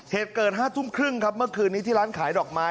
เหตุเกิด๕ทุ่มครึ่งครับเมื่อคืนนี้ที่ร้านขายดอกไม้